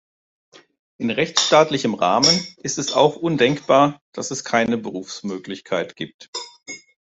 In rechtsstaatlichem Rahmen ist es auch undenkbar, dass es keine Berufungsmöglichkeit gibt.